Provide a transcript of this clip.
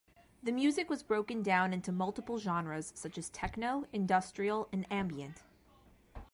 The music was broken down into multiple genres such as techno, industrial, and ambient.